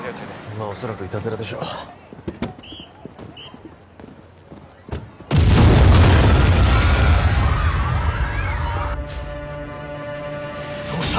まあ恐らくいたずらでしょうどうした！？